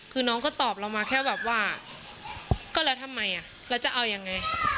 คือน้องก็ตอบเรามาแค่แบบว่าก็แล้วทำไมแล้วจะเอายังไง